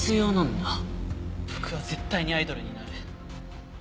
僕は絶対にアイドルになる。